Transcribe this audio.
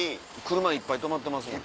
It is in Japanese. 車いっぱい止まってますね。